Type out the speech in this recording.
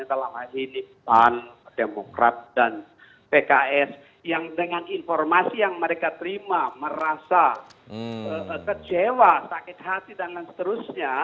yang berkaitan dengan pemerintahan demokrat dan pks yang dengan informasi yang mereka terima merasa kecewa sakit hati dan lain seterusnya